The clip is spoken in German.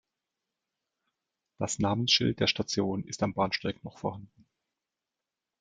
Das Namensschild der Station ist am Bahnsteig noch vorhanden.